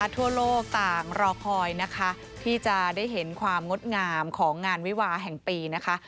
ทั่วโลกต่างรอคอยนะคะที่จะได้เห็นความงดงามของงานวิวาแห่งปีนะคะ